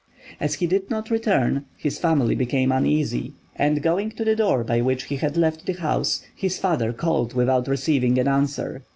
As he did not return, the family became uneasy, and going to the door by which he had left the house, his father called without receiving an answer.